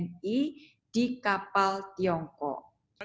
abk wni di kapal tiongkok